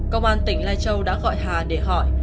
công an tỉnh lai châu đã gọi hà để hỏi